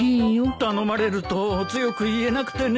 頼まれると強く言えなくてね。